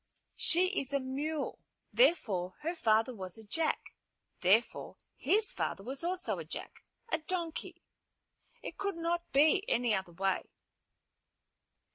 "She is a mule. Therefore, her father was a jack. Therefore his father was also a jack, a donkey. It could not be any other way."